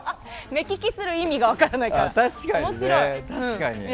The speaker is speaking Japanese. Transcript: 目利きする意味が分からないから面白い。